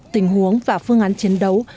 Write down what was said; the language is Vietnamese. tình huống và phương án chiến đấu